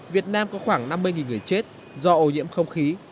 việt nam có khoảng năm mươi người chết do ô nhiễm không khí